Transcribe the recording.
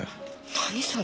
何それ？